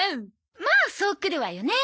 まあそうくるわよね。